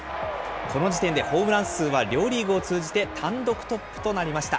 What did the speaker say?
この時点でホームラン数は両リーグを通じて単独トップとなりました。